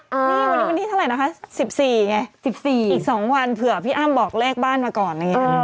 วันนี้เท่าไรนะคะ๑๔๐๐นอีก๒วันเผื่อพี่อ้ามบอกเลขบ้านมาก่อน